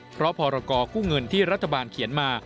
เพราะพรกู้เงินที่รัฐบาลเขียนมา